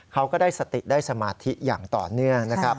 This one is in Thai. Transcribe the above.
ก็ได้สติได้สมาธิอย่างต่อเนื่องนะครับ